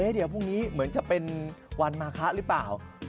เดี๋ยวพรุ่งนี้เหมือนจะเป็นวันมาคะหรือเปล่า